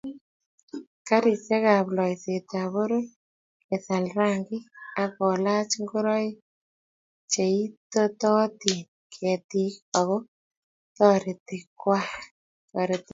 Garisyekab loiseetab poror kesal rangiik ak kolach ingoroiik cheititotiin ketiik ako taretiik kwai.